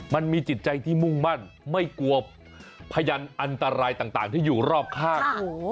มันมีจิตใจที่มุ่งมั่นไม่กลัวพยานอันตรายต่างที่อยู่รอบข้าง